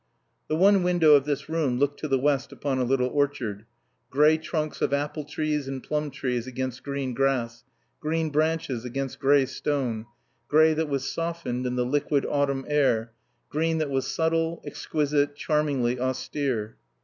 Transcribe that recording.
The one window of this room looked to the west upon a little orchard, gray trunks of apple trees and plum trees against green grass, green branches against gray stone, gray that was softened in the liquid autumn air, green that was subtle, exquisite, charmingly austere.